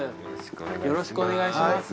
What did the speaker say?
よろしくお願いします。